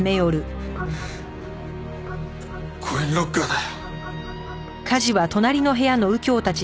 コインロッカーだよ。